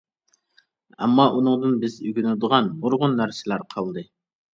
ئەمما ئۇنىڭدىن بىز ئۆگىنىدىغان نۇرغۇن نەرسىلەر قالدى.